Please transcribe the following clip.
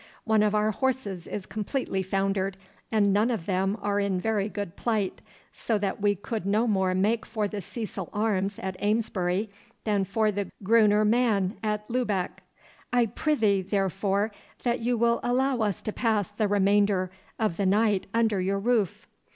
One of our horses is completely foundered, and none of them are in very good plight, so that we could no more make for the Cecil Arms at Amesbury than for the Gruner Mann at Lubeck. I prythee, therefore, that you will allow us to pass the remainder of the night under your roof.